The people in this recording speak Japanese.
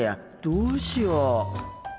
どうしよう。